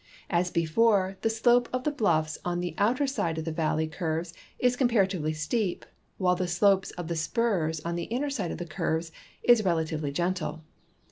As before, the slope of the bluffs on the outer side of the valley curves is comparatively steep, while the slope of the spurs on the inner side of the curves is relatively gentle.